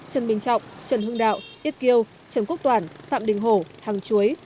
trần bình trọng trần hưng đạo ít kiêu trần quốc toàn phạm đình hổ thằng chuối